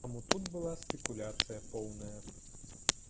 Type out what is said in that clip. Таму тут была спекуляцыя поўная.